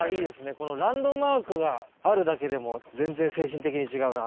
このランドマークがあるだけでも全然精神的に違うな。